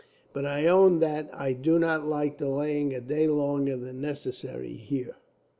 But I own that I do not like delaying a day longer than necessary, here.